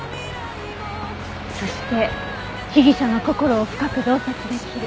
そして被疑者の心を深く洞察できる。